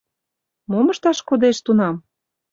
Мом ышташ кодеш тунам?